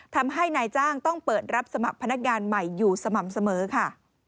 ทำให้นายจ้างต้องเปิดรับสมัครพนักงานใหม่อยู่สม่ำเสมอค่ะ